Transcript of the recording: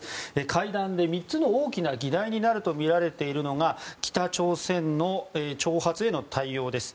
会談で３つの大きな議題になるとみられているのが北朝鮮の挑発への対応です。